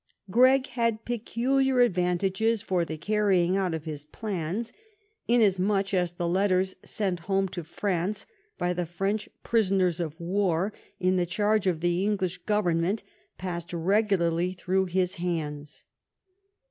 Gregg had peculiar advantages for the carrying out of his plans, inasn^uch as the letters sent home to France by French prisoners of war in the charge of the English government passed regularly through his hands.